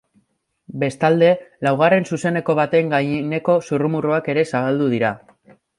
Bestalde, laugarren zuzeneko baten gaineko zurrumurruak ere zabaldu dira.